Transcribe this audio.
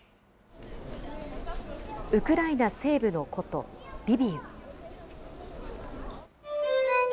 ウクライナ西部の古都、リビウ。